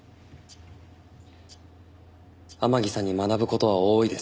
天樹さんに学ぶ事は多いです。